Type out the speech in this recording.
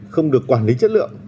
không được quản lý chất lượng